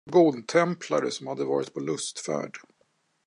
Det var godtemplare, som hade varit på lustfärd.